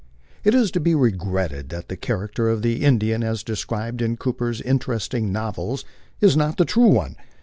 It is to be regretted that the character of the Indian as described in Coop er's interesting novels is not the true one.